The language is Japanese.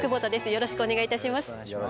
よろしくお願いします。